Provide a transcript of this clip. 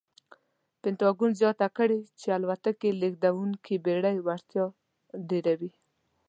پنټاګون زیاته کړې چې الوتکې لېږدونکې بېړۍ وړتیا ډېروي.